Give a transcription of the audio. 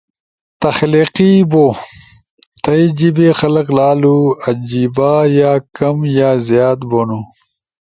تخلیقی بو۔ تھئی جیبے خلق لالو عیجنا یا کم یا زیاد بونو۔